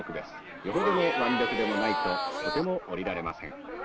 よほどの腕力でもないと、とても降りられません。